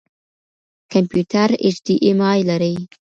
کمپيوټر اېچ ډياېم آى لري.